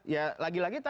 yang lolos begitu ya